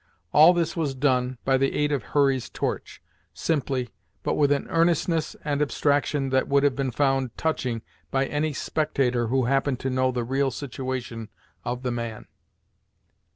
All this was done, by the aid of Hurry's torch, simply, but with an earnestness and abstraction that would have been found touching by any spectator who happened to know the real situation of the man.